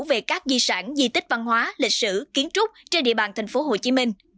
về các di sản di tích văn hóa lịch sử kiến trúc trên địa bàn thành phố hồ chí minh